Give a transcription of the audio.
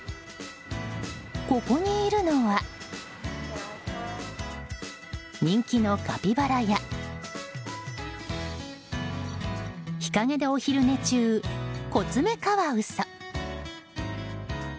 ここにいるのは人気のカピバラや日陰でお昼寝中、コツメカワウソ。